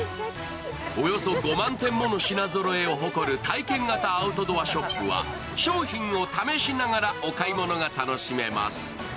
およそ５万点もの品ぞろえを誇る体験型アウトドアショップは商品を試しながらお買い物が楽しめます。